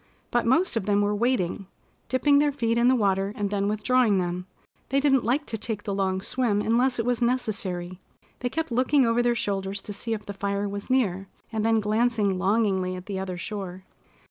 But most of them were waiting, dipping their feet in the water, and then withdrawing them. They didn't like to take the long swim unless it was necessary. They kept looking over their shoulders to see if the fire was near, and then glancing longingly at the other shore.